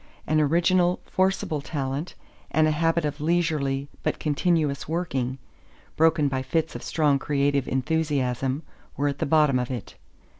An original, forcible talent and a habit of leisurely but continuous working, broken by fits of strong creative enthusiasm, were at the bottom of it.